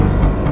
terima kasih bu